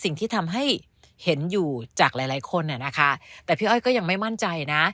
สิ่งที่ทำให้เห็นอยู่จากหลายหลายคนนะคะแต่พี่อ้อยก็ยังไม่มั่นใจนะ